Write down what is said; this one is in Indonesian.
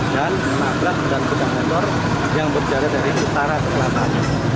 dan menabrak dan berjalan motor yang berjalan dari utara ke selatan